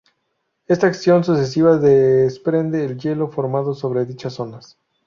Esta acción sucesiva desprende el hielo formado sobre dichas zonas.